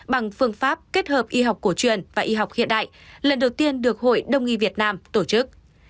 bằng phương pháp kết hợp y học cổ truyền và y học hiện đại lần đầu tiên được hội đồng y việt nam tổ chức